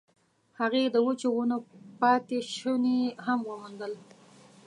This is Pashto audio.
هغې د وچو ونو پاتې شوني هم وموندل.